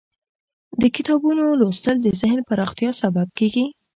د کتابونو لوستل د ذهن پراختیا سبب کیږي.